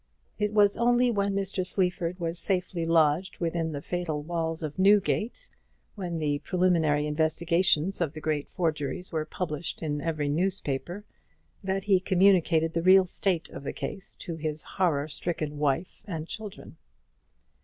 It was only when Mr. Sleaford was safely lodged within the fatal walls of Newgate, when the preliminary investigations of the great forgeries were published in every newspaper, that he communicated the real state of the case to his horror stricken wife and children.